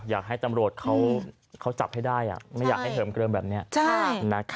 อยากให้ตำรวจเขาจับให้ได้ไม่อยากให้เหิมเกลิมแบบนี้